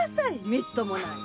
みっともない。